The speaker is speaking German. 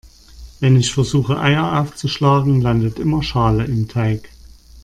Wenn ich versuche Eier aufzuschlagen, landet immer Schale im Teig.